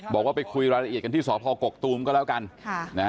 บอกว่าไปคุยรายละเอียดกันที่สพกกตูมก็แล้วกัน